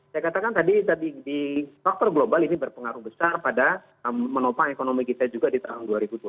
saya katakan tadi di faktor global ini berpengaruh besar pada menopang ekonomi kita juga di tahun dua ribu dua puluh